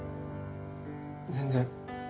全然。